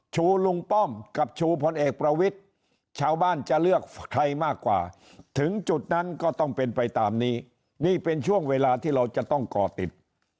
ชูลุงป้อมกับชูพลเอกประวิทธิ์ชาวบ้านจะเลือกใครมากกว่าถึงจุดนั้นก็ต้องเป็นไปตามนี้นี่เป็นช่วงเวลาที่เราจะต้องก่อติด